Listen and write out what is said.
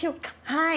はい。